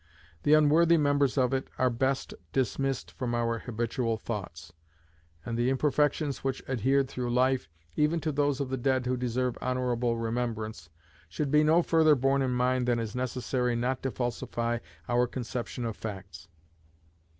The unworthy members of it are best dismissed from our habitual thoughts; and the imperfections which adhered through life, even to those of the dead who deserve honourable remembrance, should be no further borne in mind than is necessary not to falsify our conception of facts.